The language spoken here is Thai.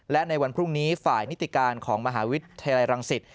และในวันพรุ่งนี้ฝ่ายนิติการของมหาวิทยาลัยรังสิต